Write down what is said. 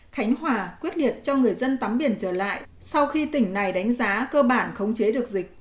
khánh hòa quyết liệt cho người dân tắm biển trở lại sau khi tỉnh này đánh giá cơ bản khống chế được dịch